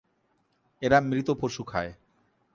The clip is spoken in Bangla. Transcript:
এরা মৃত পশু খায়।